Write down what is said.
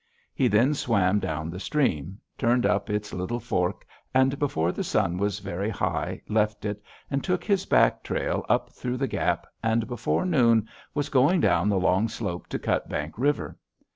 He then swam down the stream, turned up its little fork, and before the sun was very high left it and took his back trail up through the gap, and before noon was going down the long slope to Cutbank River.